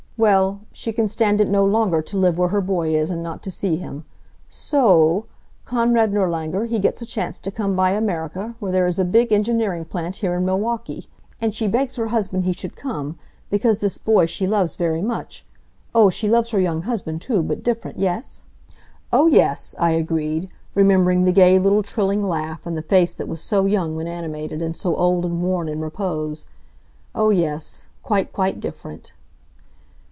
Well, she can stand it no longer to live where her boy is, and not to see him. So o o o, Konrad Nirlanger he gets a chance to come by Amerika where there is a big engineering plant here in Milwaukee, and she begs her husband he should come, because this boy she loves very much Oh, she loves her young husband too, but different, yes?" "Oh, yes," I agreed, remembering the gay little trilling laugh, and the face that was so young when animated, and so old and worn in repose. "Oh, yes. Quite, quite different."